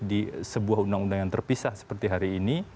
di sebuah undang undang yang terpisah seperti hari ini